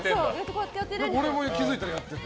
俺も気づいたらやってた。